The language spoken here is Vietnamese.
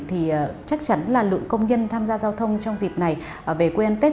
thì chắc chắn là lượng công nhân tham gia giao thông trong dịp này về quê ăn tết